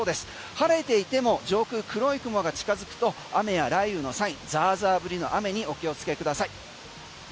晴れていても上空黒い雲が近づくと雨や雷雨のサインザーザー降りの雨にお気をつけください。